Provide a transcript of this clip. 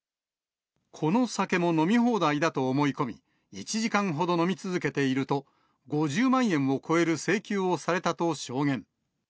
この酒も飲み放題だと思い込み、１時間ほど飲み続けていると、５０万円を超える請求をされたと証言。